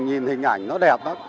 nhìn hình ảnh nó đẹp lắm